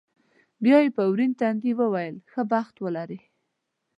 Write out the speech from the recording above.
بیا یې په ورین تندي وویل، ښه بخت ولرې.